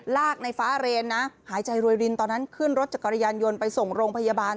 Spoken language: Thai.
ลากในฟ้าเรนนะหายใจรวยรินตอนนั้นขึ้นรถจักรยานยนต์ไปส่งโรงพยาบาล